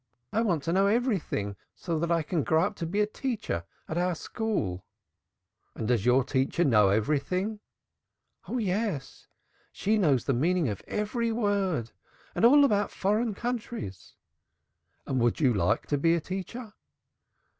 I want to know everything so that I can grow up to be a teacher at our school." "And does your teacher know everything?" "Oh yes! She knows the meaning of every word and all about foreign countries." "And would you like to be a teacher?"